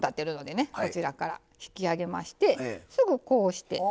こちらから引き上げましてすぐこうして。